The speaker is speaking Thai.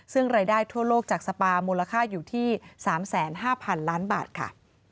ซึ่งรายได้ทั่วโลกจากสปามูลค่าอยู่ที่๓๕๐๐๐ล้านบาทค่ะ